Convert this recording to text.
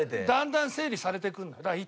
だんだん整理されてくるのよ。